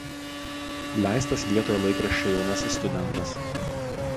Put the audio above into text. Leistas vietoje laikraščio „Jaunasis studentas“.